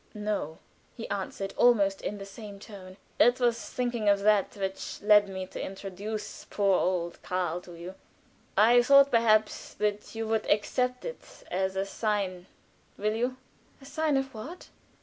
"No," he answered, almost in the same tone. "It was thinking of that which led me to introduce poor old Karl to you. I thought, perhaps, that you would accept it as a sign will you?" "A sign of what?"